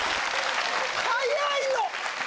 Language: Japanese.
早いの！